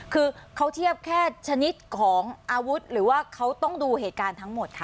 คือเขาเทียบแค่ชนิดของอาวุธหรือว่าเขาต้องดูเหตุการณ์ทั้งหมดคะ